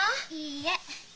いいえ。